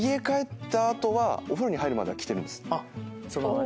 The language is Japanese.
帰った後はお風呂に入るまでは着てるんです。